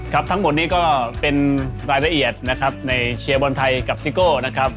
ทั้งหมดนี้ก็เป็นรายละเอียดนะครับในเชียร์บอลไทยกับซิโก้นะครับ